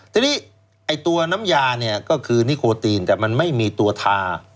ทีนี้ไอ้ตัวน้ำยาเนี่ยก็คือนิโคตีนแต่มันไม่มีตัวทา